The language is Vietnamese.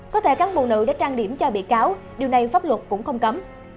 có thể cán bộ nữ đã trang điểm cho bị cáo điều này pháp luật cũng không cấm